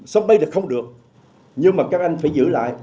sân bay thì không được nhưng mà các anh phải giữ lại